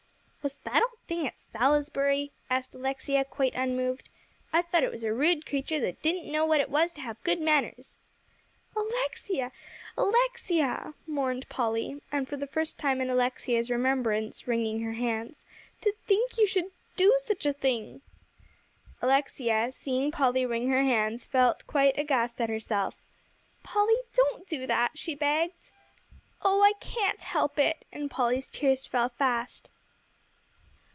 "Was that old thing a Salisbury?" asked Alexia, quite unmoved. "I thought it was a rude creature that didn't know what it was to have good manners." "Alexia, Alexia!" mourned Polly, and for the first time in Alexia's remembrance wringing her hands, "to think you should do such a thing!" Alexia, seeing Polly wring her hands, felt quite aghast at herself. "Polly, don't do that," she begged. "Oh, I can't help it." And Polly's tears fell fast.